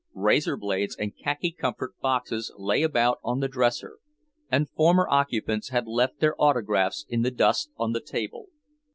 Razor blades and "Khaki Comfort" boxes lay about on the dresser, and former occupants had left their autographs in the dust on the table.